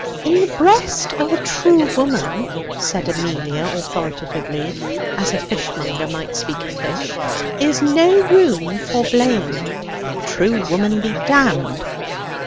'In the breast of a true woman,' said Amelia authoritatively, as a fishmonger might speak of fish, 'is no room for blame.' 'True woman be damned!'